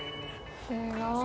すごい。